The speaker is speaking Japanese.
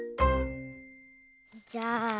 じゃあ。